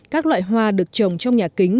các loại hoa được trồng trong nhà kính